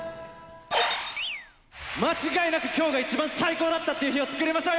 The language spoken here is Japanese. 間違いなくきょうが一番最高だったっていう日を作りましょう。